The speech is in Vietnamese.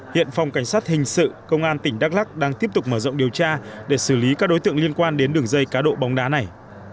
hiện phòng cảnh sát hình sự công an tỉnh đắk lắc đang tiếp tục mở rộng điều tra để xử lý các đối tượng liên quan đến đường dây cá độ bóng đá này